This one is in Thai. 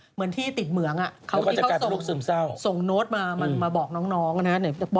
เหมือนที่ติดเหมืองเขาที่เขาส่งโน้ตมาบอกน้องนะครับ